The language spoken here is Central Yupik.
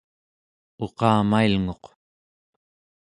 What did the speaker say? uqamailnguq